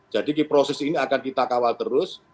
jadi proses ini akan kita kawal terus